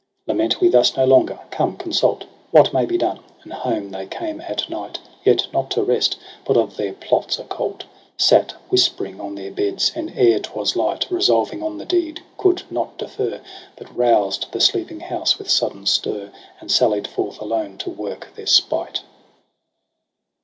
JULY 12? 3 ' Lament we thus no longer. Come, consult What may be done.' And home they came at night, Yet not to rest, but of their plots occult Sat whispering on their beds 5 and ere 'twas light Resolving on the deed coud not defer ; But roused the sleeping house with sudden stir. And sallied forth alone to work their spite.